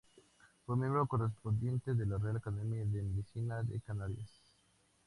Fue miembro correspondiente de la Real Academia de Medicina de Canarias.